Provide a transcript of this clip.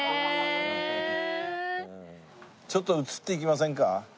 ちょっと映っていきませんか？